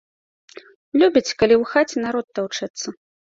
Любіць, калі ў хаце народ таўчэцца.